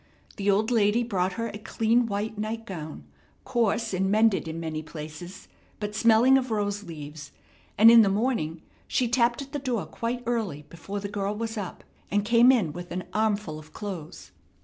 The old lady brought her a clean white nightgown, coarse and mended in many places, but smelling of rose leaves; and in the morning she tapped at the door quite early before the girl was up, and came in with an armful of clothes.